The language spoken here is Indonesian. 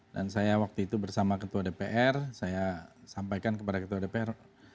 dan saya waktu itu bersama ketua dpr saya sampaikan kepada ketua dpr